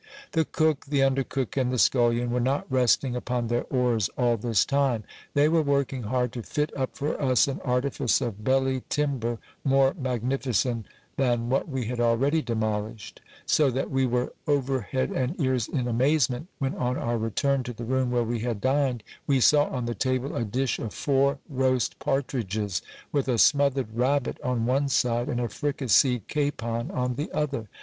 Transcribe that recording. The cook, the under cook, and the scullion were not resting upon their oars all this time : they were working hard to fit up for us an artifice of belly timber more magnificent that what we had already demolished ; so that we were over head and ears in amazement, when on our return to the room where we had dined, we saw on the table a dish of four roast partridges, with a smothered rabbit on one side, and a fricasseed capon on the other.